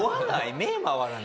目回らない？